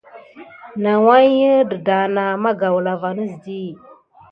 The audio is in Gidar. Nawuye denaha si na mane metita di anayant sika vas si def nawa pay wumti.